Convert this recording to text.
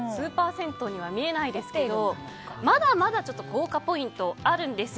スーパー銭湯には見えないですがまだまだ豪華ポイントあるんです。